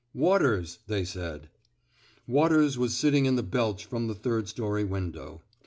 Waters,'* they said. Waters was sitting in the belch from the third story window.